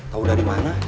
tau dari mana